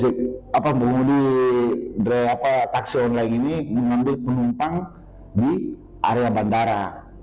si pengemudi taksi online ini mengambil penumpang di area bandara